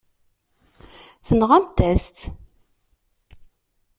Tenɣamt-as-t.